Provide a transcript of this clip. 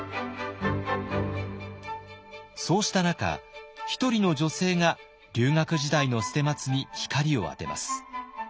そうした中一人の女性が留学時代の捨松に光を当てます。